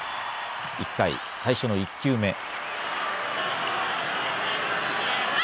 １回、最初の１球目。